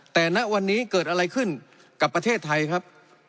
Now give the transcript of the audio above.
แต่ณวันนี้เกิดอะไรขึ้นกับประเทศไทยครับ